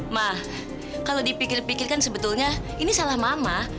ma kalau dipikir pikir kan sebetulnya ini salah mama